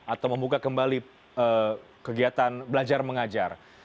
atau membuka kembali kegiatan belajar mengajar